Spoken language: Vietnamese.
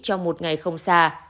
cho một ngày không xa